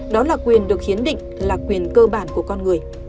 đó là quyền được hiến định là quyền cơ bản của con người